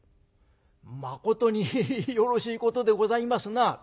「まことによろしいことでございますな」。